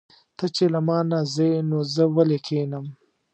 ته چې له مانه ځې نو زه ولې کښېنم.